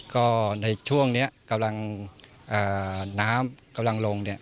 ก็ในช่วงนี้กำลังน้ำกำลังลงเนี่ย